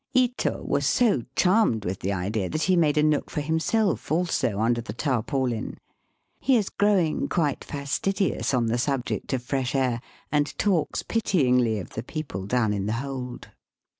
Ito was so charmed with the idea that he made a nook for himself also under the tarpaulin. He is growing quite fastidious on the subject of fresh air, and talks pityingly of the people down in the hold.